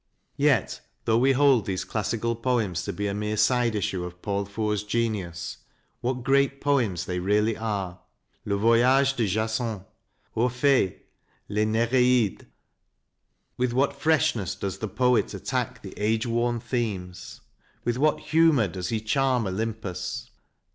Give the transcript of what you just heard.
Yet, though we hold these " classical " poems to be a mere side issue of Paul Fort's genius, what great poems they really are "le Voyage de Jason," " Or phee," " les Nereides," with what freshness does the poet attack the age worn themes, with what humour PAUL FORT 261 does he charm Olympus!